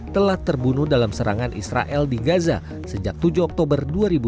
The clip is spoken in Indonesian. telah terbunuh dalam serangan israel di gaza sejak tujuh oktober dua ribu dua puluh